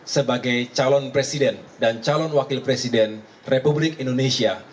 sebagai calon presiden dan calon wakil presiden republik indonesia